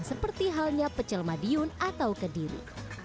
seperti halnya pecel madiun atau kediri